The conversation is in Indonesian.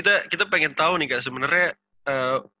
kita pengen tahu nih kak sebenarnya